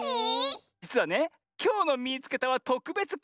じつはねきょうの「みいつけた！」はとくべつき